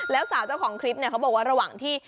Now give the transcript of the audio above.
แล้วสาวเจ้าของคลิปเนี่ยเขาบอกว่าระหว่างที่